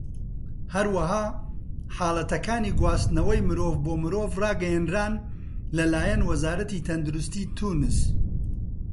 هەروەها، حاڵەتەکانی گواستنەوەی مرۆڤ بۆ مرۆڤ ڕاگەیەنران لەلایەن وەزارەتی تەندروستی تونس.